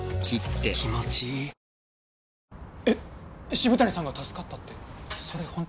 渋谷さんが助かったってそれホント？